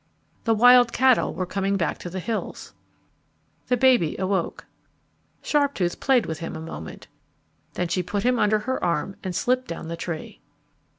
The wild cattle were coming back to the hills. The baby awoke. Sharptooth played with him a moment. Then she put him under her arm and slipped down the tree.